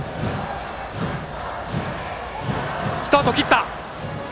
スタートを切った！